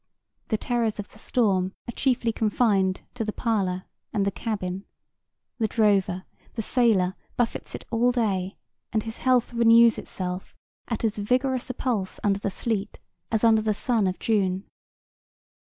The terrors of the storm are chiefly confined to the parlor and the cabin. The drover, the sailor, buffets it all day, and his health renews itself at as vigorous a pulse under the sleet as under the sun of June.